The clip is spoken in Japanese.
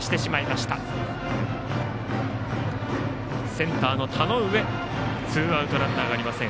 センターの田上つかんでツーアウト、ランナーありません。